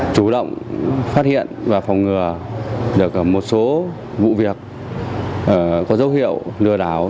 chủ động phát hiện và phòng ngừa được một số vụ việc có dấu hiệu lừa đảo